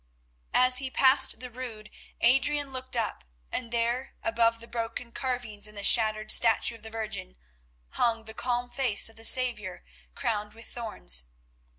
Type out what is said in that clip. As he passed the Rood Adrian looked up, and there, above the broken carvings and the shattered statue of the Virgin, hung the calm face of the Saviour crowned with thorns.